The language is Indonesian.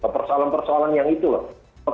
persoalan persoalan yang itu loh